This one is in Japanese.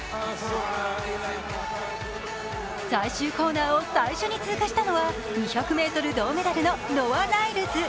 最終コーナーを最初に通過したのは２００ｍ銅メダルのノア・ライルズ。